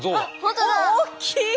大きい！